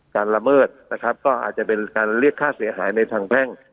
ละเมิดนะครับก็อาจจะเป็นการเรียกค่าเสียหายในทางแพ่ง